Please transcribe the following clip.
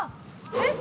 えっ？